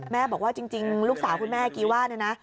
บอกว่าจริงลูกสาวคุณแม่กีว่าเนี่ยนะ